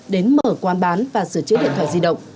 đến mở quan bán và sửa chế điện thoại di động